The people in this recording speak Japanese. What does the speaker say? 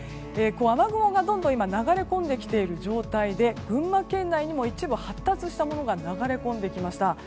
雨雲がどんどん流れ込んできている状況で群馬県内にも一部発達したものが流れ込んできました。